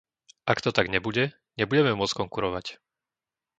Ak to tak nebude, nebudeme môcť konkurovať.